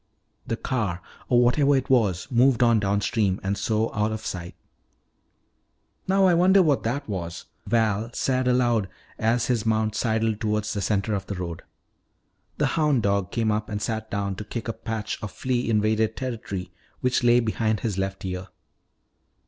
The car, or whatever it was, moved on downstream and so out of sight. "Now I wonder what that was," Val said aloud as his mount sidled toward the center of the road. The hound dog came up and sat down to kick a patch of flea invaded territory which lay behind his left ear.